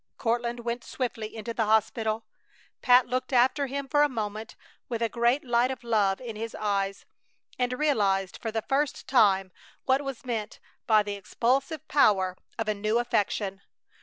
Courtland went swiftly into the hospital. Pat looked after him for a moment with a great light of love in his eyes, and realized for the first time what was meant by the expulsive power of a new affection.